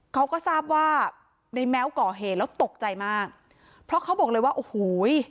เขาก็ทราบว่าในแม้วก่อเหตุแล้วตกใจมากเพราะเขาบอกเลยว่าโอ้โห